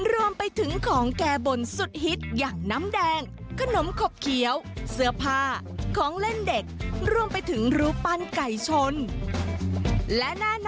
รวมไปถึงของแก้บนสุดฮิตอย่างน้ำแดงขนมขบเขียวเสื้อผ้าของเล่นเด็กรวมไปถึงรูปปั้นไก่ชน